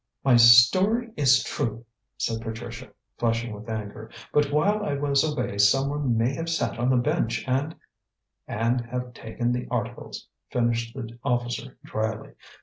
"My story is true," said Patricia, flushing with anger. "But while I was away someone may have sat on the bench and " "And have taken the articles," finished the officer dryly.